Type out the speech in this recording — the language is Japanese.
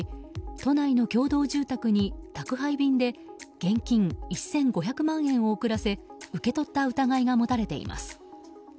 都内の共同住宅に宅配便で現金１５００万円を送らせ受け取った疑いが持たれています。